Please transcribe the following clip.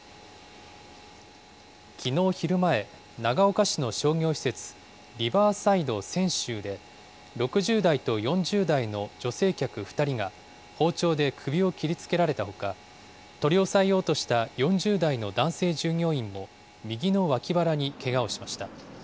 きのう昼前、長岡市の商業施設、リバーサイド千秋で、６０代と４０代の女性客２人が、包丁で首を切りつけられたほか、取り押さえようとした４０代の男性従業員も、右の脇腹にけがをしました。